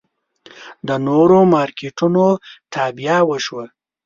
د نورو مارکېټونو تابیا وشوه.